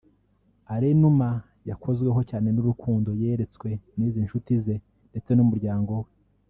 Alain Numa yakozweho cyane n’urukundo yeretswe n’izi nshuti ze ndetse n’umuryango we